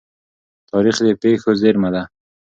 تاریخ د پېښو زيرمه ده.